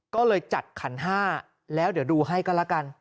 ก็เลยจัดขันห้าแล้วเดี๋ยวดูให้ก็แล้วกัน